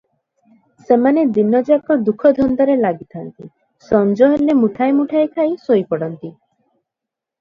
ସେମାନେ ଦିନ ଯାକ ଦୁଃଖଧନ୍ଦାରେ ଲାଗିଥାନ୍ତ, ସଞ୍ଜ ହେଲେ ମୁଠାଏ ମୁଠାଏ ଖାଇ ଶୋଇପଡନ୍ତି ।